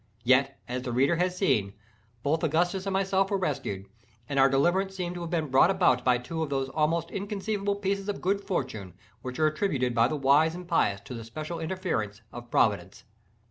Yet, as the reader has seen, both Augustus and myself were rescued; and our deliverance seemed to have been brought about by two of those almost inconceivable pieces of good fortune which are attributed by the wise and pious to the special interference of Providence.